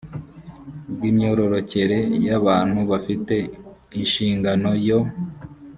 bw imyororokere y abantu bafite inshingano yo